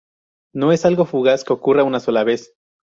No es algo fugaz, que ocurra una sola vez.